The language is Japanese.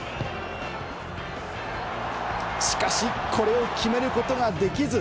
しかし、これを決めることができず。